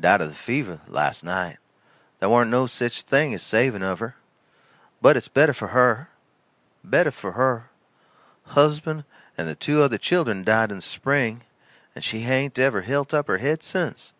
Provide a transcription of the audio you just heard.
Died of the fever, last night. Tha warn't no sich thing as saving of her. But it's better for her better for her. Husband and the other two children died in the spring, and she hain't ever hilt up her head sence.